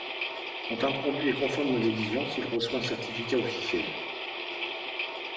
Quand un produit est conforme aux exigences, il reçoit un certificat officiel.